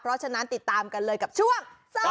เพราะฉะนั้นติดตามกันเลยกับช่วง